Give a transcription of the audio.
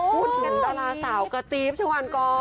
พูดถึงดาราสาวกระตีฟชะวันก่อน